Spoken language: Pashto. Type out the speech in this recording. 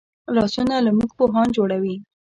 لاسونه له موږ پوهان جوړوي